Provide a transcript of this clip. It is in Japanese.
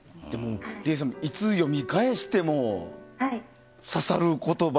リエさん、いつ読み返しても刺さる言葉